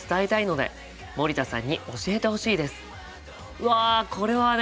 うわこれはね